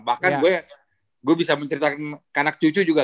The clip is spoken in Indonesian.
bahkan gue bisa menceritakan ke anak cucu juga